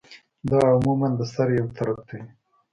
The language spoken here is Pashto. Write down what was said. دا عموماً د سر يو طرف ته وی